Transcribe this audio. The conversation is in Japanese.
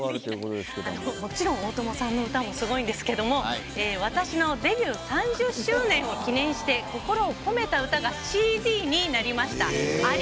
もちろん大友さんの歌もすごいんですけども私のデビュー３０周年を記念して心を込めた歌がＣＤになりました。